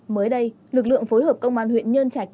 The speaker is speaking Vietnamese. mới đây lực lượng phối hợp công an huyện nhân trạch